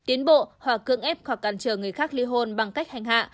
tiến bộ hoặc cưỡng ép hoặc cản trở người khác li hôn bằng cách hành hạ